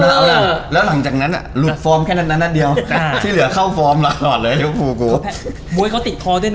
อ่าไม่ได้ให้กูอายไปไหนเนี้ยโอ้ยอย่าใจเย็นอย่าเย็น